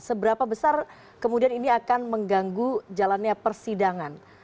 seberapa besar kemudian ini akan mengganggu jalannya persidangan